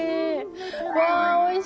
うわおいしそう。